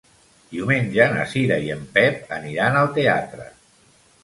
Diumenge na Cira i en Pep aniran al teatre.